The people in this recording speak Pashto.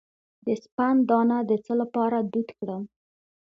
د سپند دانه د څه لپاره دود کړم؟